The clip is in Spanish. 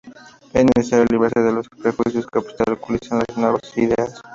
Es necesario librarse de los prejuicios que obstaculizan las nuevas ideas.